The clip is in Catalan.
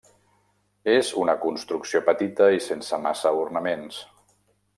És una construcció petita i sense massa ornaments.